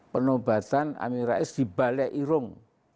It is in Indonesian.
penobatan amin rais di balai irung